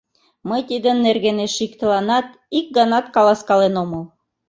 Мый тидын нерген эше иктыланат ик ганат каласкален омыл.